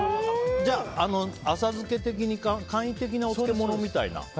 じゃあ、浅漬け的に簡易的なお漬物みたいな。